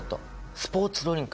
スポーツドリンク！